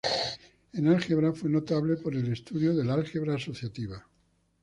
En álgebra, fue notable por el estudio del álgebra asociativa.